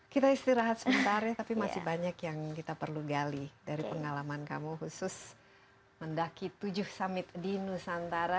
kita istirahat sebentar ya tapi masih banyak yang kita perlu gali dari pengalaman kamu khusus mendaki tujuh summit di nusantara